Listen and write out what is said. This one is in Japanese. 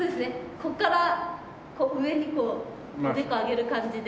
ここから上にこうおでこ上げる感じで。